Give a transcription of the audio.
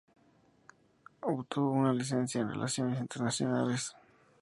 Obtuvo una licenciatura en Relaciones Internacionales.